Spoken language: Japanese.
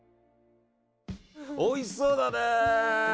おいしそうだね！